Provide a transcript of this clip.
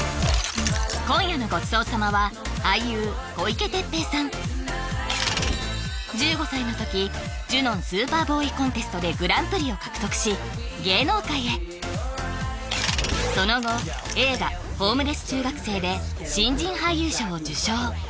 今夜のごちそう様は俳優小池徹平さん１５歳の時ジュノン・スーパーボーイ・コンテストでグランプリを獲得し芸能界へその後映画「ホームレス中学生」で新人俳優賞を受賞